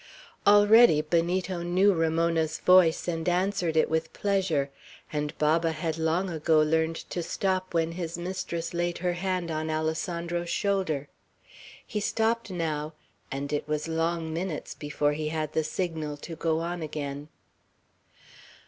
Already Benito knew Ramona's voice, and answered it with pleasure; and Baba had long ago learned to stop when his mistress laid her hand on Alessandro's shoulder. He stopped now, and it was long minutes before he had the signal to go on again.